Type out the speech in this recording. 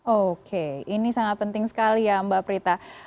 oke ini sangat penting sekali ya mbak prita